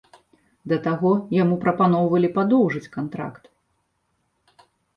Да таго, яму прапаноўвалі падоўжыць кантракт.